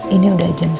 ini udah jam sebelas